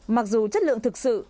mặc dù chất lượng thực sự